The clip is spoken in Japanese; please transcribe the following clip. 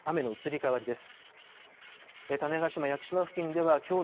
雨の移り変わりです。